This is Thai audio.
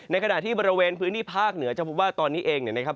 ขณะที่บริเวณพื้นที่ภาคเหนือจะพบว่าตอนนี้เองเนี่ยนะครับ